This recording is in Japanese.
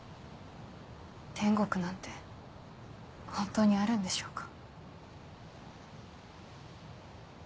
天国なんて本当にあるんでしょうか？